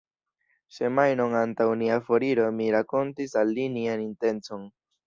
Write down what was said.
Semajnon antaŭ nia foriro mi rakontis al li nian intencon.